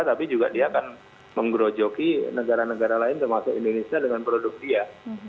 tapi juga dia akan menggerojoki negara negara lain termasuk indonesia dengan produk dia